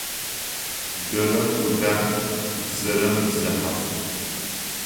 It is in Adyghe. Дэрэм ӏудан, бзэрэм бзыхьаф.